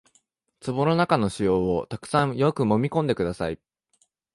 壺の中の塩をたくさんよくもみ込んでください